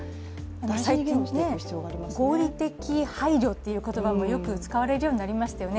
最近は合理的配慮という言葉もよく使われるようになりましたよね。